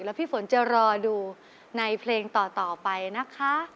แล้วพี่ฝนจะรอดูในเพลงต่อไปนะคะ